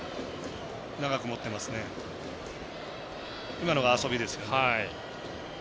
今のが遊びですよね。